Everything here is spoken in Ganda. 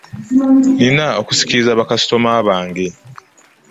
Nnina okusikiriza bakasitoma bange.